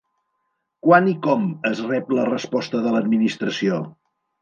Quan i com es rep la resposta de l'Administració?